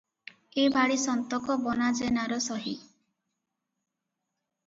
ଏ ବାଡ଼ି ସନ୍ତକ ବନା ଜେନାର ସହି ।